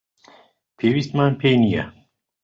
پێویستمان پێی نییە.